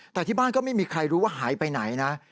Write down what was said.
แต่ที่บ้านก็ไม่มีใครรู้ว่าหายไปไหนนะ